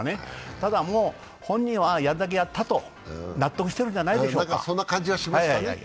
ただ、本人はやるだけやったと納得してるんじゃないでしょうか。